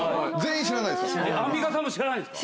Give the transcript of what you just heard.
アンミカさんも知らないんですか？